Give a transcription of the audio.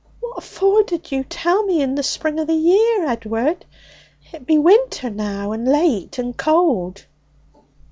What for didna you tell me in the spring o' the year, Ed'ard? It be winter now, and late and cold.'